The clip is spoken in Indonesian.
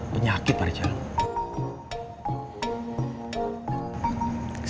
penyakit pada jalan